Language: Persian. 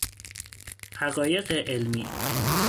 حقایق علمی